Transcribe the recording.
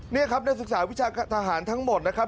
นี่ครับนักศึกษาวิชาทหารทั้งหมดนะครับ